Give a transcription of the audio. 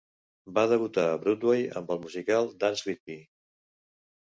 Va debutar a Broadway amb el musical "Dance with Me".